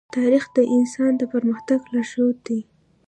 تاریخ د انسان د پرمختګ لارښود دی.